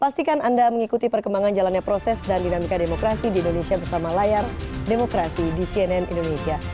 pastikan anda mengikuti perkembangan jalannya proses dan dinamika demokrasi di indonesia bersama layar demokrasi di cnn indonesia